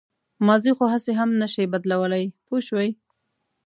ماضي خو هسې هم نه شئ بدلولی پوه شوې!.